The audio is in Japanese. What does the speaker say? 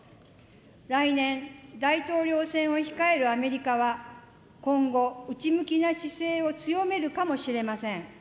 来年、大統領選を控えるアメリカは、今後、内向きな姿勢を強めるかもしれません。